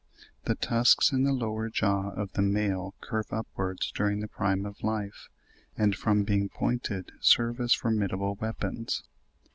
67) the tusks in the upper jaw of the male curve upwards during the prime of life, and from being pointed serve as formidable weapons.